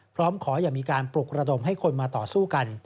พร้อมขออย่ามีการปลุกระดมให้คนมาต่อสู้กัน